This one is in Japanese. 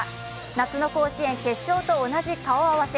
夏の甲子園決勝と同じ顔合わせ。